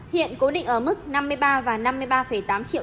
hiện cố định ở mức năm mươi ba và năm mươi ba tám triệu